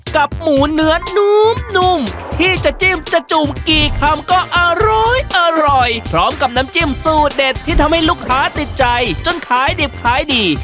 กับหมูเนื้อนุ่มที่จะจิ้มจะจุ่มกี่คำก็อร้อยพร้อมกับน้ำจิ้มสูตรเด็ดที่ทำให้ลูกค้าติดใจจนขายดิบขายดี